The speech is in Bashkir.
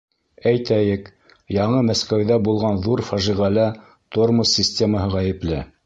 Әйтәйек, Яңы Мәскәүҙә булған ҙур фажиғәлә тормоз системаһы ғәйепле.